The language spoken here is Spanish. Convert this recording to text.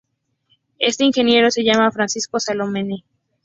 Este ingeniero se llamaba Francisco Salamone.